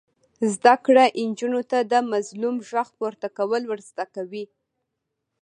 زده کړه نجونو ته د مظلوم غږ پورته کول ور زده کوي.